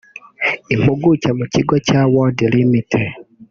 Impuguke mu kigo cya WorldRemit